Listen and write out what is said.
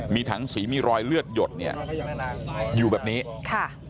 มีถังสีมีรอยเลือดหยดเนี่ยอยู่แบบนี้ค่ะ